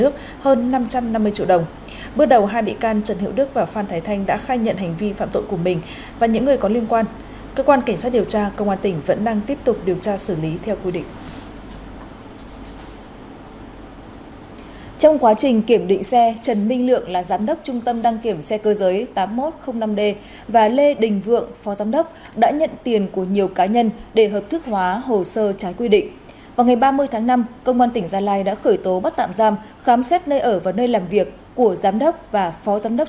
thông tin từ cơ quan cảnh sát điều tra công an tỉnh an giang cho biết đã ra quyết định khởi tố vụ án lệnh bắt bị can để tạm giam đối với trần hữu đức